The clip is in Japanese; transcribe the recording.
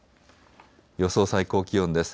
予想最高気温です。